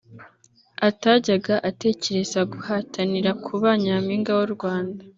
atajyaga atekereza guhatanira kuba nyampinga w’u Rwanda